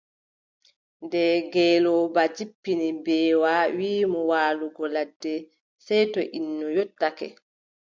Nde ngeelooba jippini mbeewa wii mo waalugo ladde, sey to innu yottake.